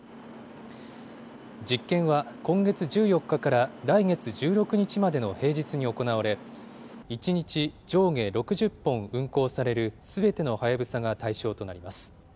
実験は今月１４日から来月１６日までの平日に行われ、１日上下６０本運行されるすべてのはやぶさが対象となります。